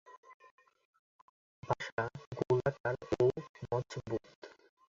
বাসা গোলাকার ও মজবুত।